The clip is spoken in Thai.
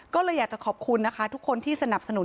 ก็เลยอยากจะขอบคุณนะคะทุกคนที่สนับสนุน